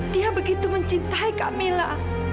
dia begitu mencintai kamila